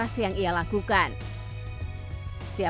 saya mel dalla